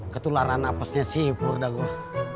ketularan apesnya sih purda gua